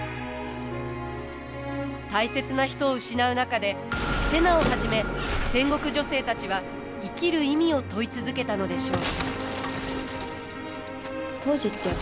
大切な人を失う中で瀬名をはじめ戦国女性たちは生きる意味を問い続けたのでしょう。